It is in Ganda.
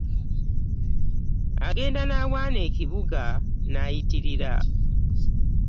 Agenda n'awaana ekibuga n'ayitirira.